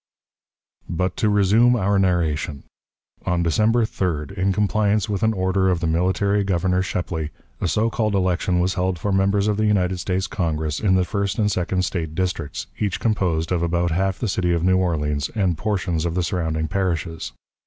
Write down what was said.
But to resume our narration. On December 3d, in compliance with an order of the military Governor Shepley, a so called election was held for members of the United States Congress in the first and second State districts, each composed of about half the city of New Orleans and portions of the surrounding parishes.